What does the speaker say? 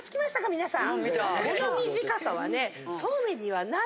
皆さん。